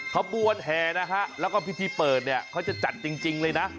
ขบวนแห่นะฮะแล้วก็พิธีเปิดเนี่ยเขาจะจัดจริงเลยนะ